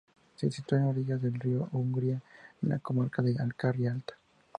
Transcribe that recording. Se sitúa a orillas del río Ungría en la comarca de la Alcarria Alta.